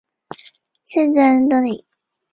县治安东尼。